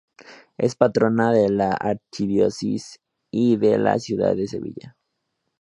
Es patrona de la archidiócesis y de la ciudad de Sevilla.